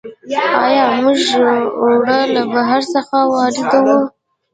آیا موږ اوړه له بهر څخه واردوو؟